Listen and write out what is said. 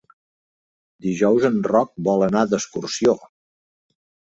Dijous en Roc vol anar d'excursió.